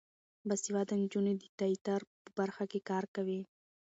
باسواده نجونې د تیاتر په برخه کې کار کوي.